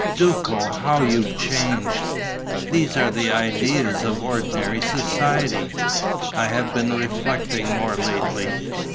"Duco, how you've changed! These are the ideas of ordinary society!" "I have been reflecting more lately."